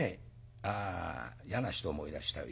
ああ嫌な人もいらしたよ。